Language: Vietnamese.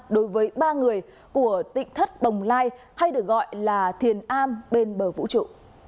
đối với ba người của tỉnh thất bồng lai hay được gọi là thiền am bên bờ vũ trụ